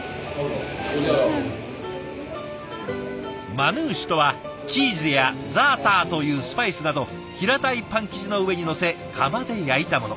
マヌーシュとはチーズやザーターというスパイスなど平たいパン生地の上にのせ窯で焼いたもの。